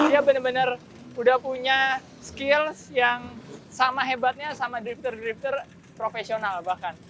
dia benar benar sudah punya skills yang sama hebatnya sama drifter drifter profesional bahkan